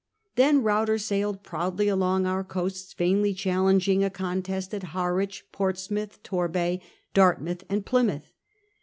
Then Ruyter sailed proudly along our coasts, vainly challenging a contest at Harwich, Portsmouth, Torbay, Dartmouth, and Plymouth.